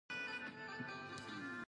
څه پيکه پيکه لوګی لوګی ماحول دی